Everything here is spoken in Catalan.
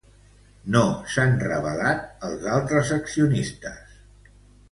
No s'han revelat els altres accionistes.